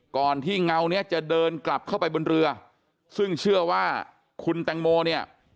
ที่เงาเนี้ยจะเดินกลับเข้าไปบนเรือซึ่งเชื่อว่าคุณแตงโมเนี่ย